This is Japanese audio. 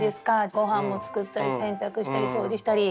ごはんもつくったり洗濯したり掃除したり。